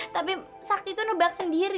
tapi sakti itu nebak sendiri